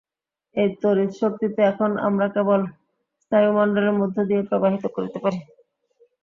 এই তড়িৎশক্তিকে এখন আমরা কেবল স্নায়ুমণ্ডলের মধ্য দিয়াই প্রবাহিত করিতে পারি।